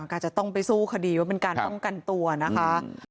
ก็อาจจะต้องไปสู้คดีว่าเป็นการป้องกันตัวนะคะ